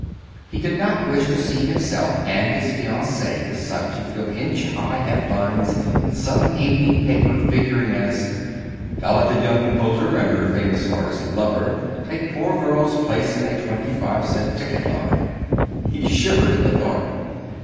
He did not wish to see himself and his fiancée the subject of inch high headlines in some evening paper figuring as: "Talented young composer and her famous artist lover take poor girl's place in a twenty five cent ticket line." He shivered at the thought.